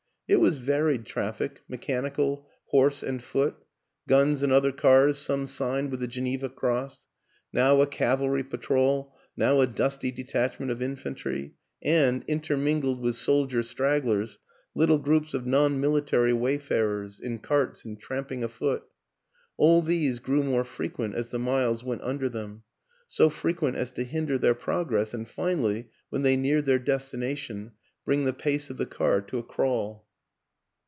It was varied traffic, mechanical, horse and foot: guns and other cars, some signed with the Geneva cross; now a cavalry patrol, now a dusty detachment of in fantry; and, intermingled with soldier stragglers, little groups of non military wayfarers, in carts and tramping afoot. All these grew more fre quent as the miles went under them; so frequent as to hinder their progress, and finally, when they neared their destination, bring the pace of the car to a crawl.